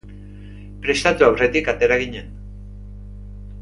Prestatu aurretik atera ginen.